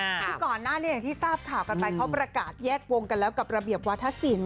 คือก่อนหน้านี้อย่างที่ทราบข่าวกันไปเขาประกาศแยกวงกันแล้วกับระเบียบวัฒนศิลป